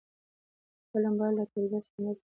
فلم باید له تربیت سره مرسته وکړي